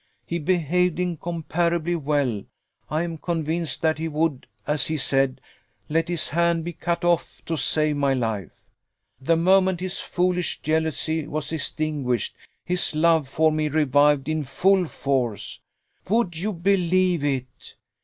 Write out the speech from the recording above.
He behaved incomparably well. I am convinced that he would, as he said, let his hand be cut off to save my life. The moment his foolish jealousy was extinguished, his love for me revived in full force. Would you believe it?